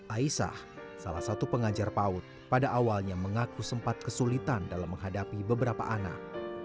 aisah salah satu pengajar paut pada awalnya mengaku sempat kesulitan dalam menghadapi beberapa anak